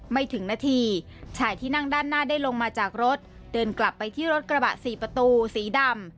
ไม่ถึงนาทีชายที่นั่งด้านหน้าได้ลงมาจากรถเดินกลับไปที่รถกระบะสี่ประตูสีดำ